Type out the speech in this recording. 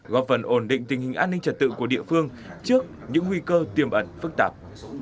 góp phần ổn định tình hình an ninh trật tự của địa phương trước những nguy cơ tiềm ẩn phức tạp